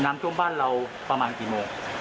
น้ำท่วมบ้านเราประมาณกี่โมง